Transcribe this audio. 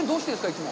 いつも。